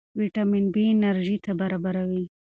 ویټامین بي انرژي برابروي.